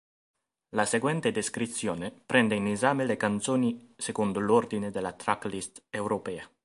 La seguente descrizione prende in esame le canzoni secondo l'ordine della "tracklist" europea.